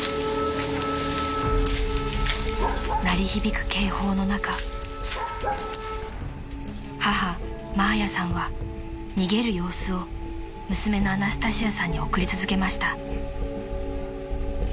・［鳴り響く警報の中母マーヤさんは逃げる様子を娘のアナスタシアさんに送り続けました］